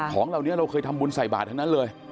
ของเหล่านี้เราเคยทำบุญใส่บาททั้งนั้นเลย